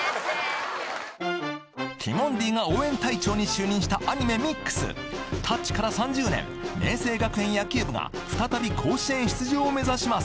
ティモンディが応援隊長に就任したアニメ『ＭＩＸ』『タッチ』から３０年明青学園野球部が再び甲子園出場を目指します